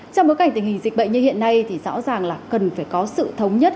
trong bối cảnh tình hình dịch bệnh như hiện nay thì rõ ràng là cần phải có sự thống nhất